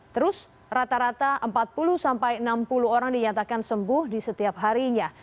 terus rata rata empat puluh sampai enam puluh orang dinyatakan sembuh di setiap harinya